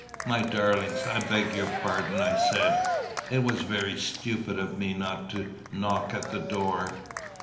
"My darlings, I beg your pardon," I said. "It was very stupid of me not to knock at the door."